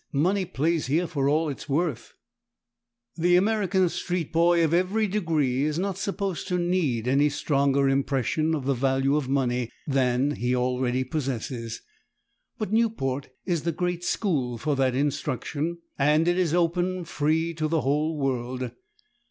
money plays here for all it is worth." The American street boy of every degree is not supposed to need any stronger impression of the value of money than he already possesses. But Newport is the great school for that instruction, and it is open free to the whole world.